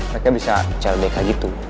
mereka bisa cel dek kayak gitu